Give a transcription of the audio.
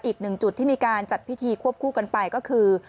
อีกหนึ่งจุดที่มีการจัดพิธีควบคู่กันไปก็คือ